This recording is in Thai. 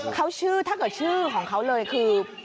เขาชื่อถ้าเกิดชื่อของเขาเลยคือ